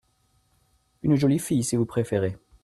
Une jolie fille, si vous préférez…